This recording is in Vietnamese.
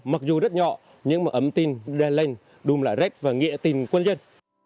mặc dù rất nhỏ nhưng ấm tin đen lên đùm lại rách và nghệ tình quân dân